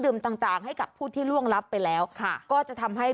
ต่างต่างให้กับผู้ที่ล่วงรับไปแล้วค่ะก็จะทำให้